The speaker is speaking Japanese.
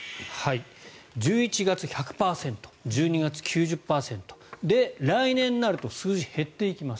１１月、１００％１２月、９０％で、来年になると数字、減っていきます。